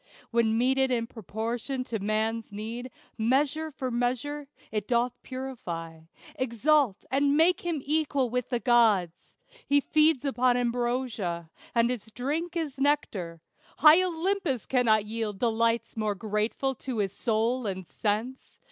When meted in proportion to man's need, "Measure for measure" it doth purify, Exalt, and make him equal with the gods. He feeds upon ambrosia, and his drink Is nectar; high Olympus cannot yield Delights more grateful to his soul and sense.